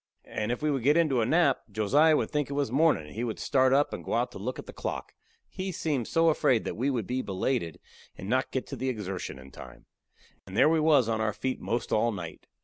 And if we would get into a nap, Josiah would think it was mornin' and he would start up and go out to look at the clock. He seemed so afraid we would be belated and not get to that exertion in time. And there we was on our feet 'most all night.